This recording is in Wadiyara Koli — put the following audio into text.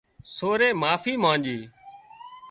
سورئي معافي مانڄي